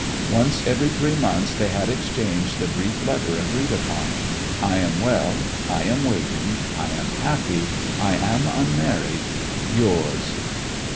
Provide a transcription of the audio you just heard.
Once every three months they had exchanged the brief letter agreed upon: "I am well; I am waiting; I am happy; I am unmarried. Yours